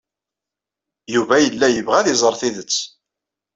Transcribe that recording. Yuba yella yebɣa ad iẓer tidet.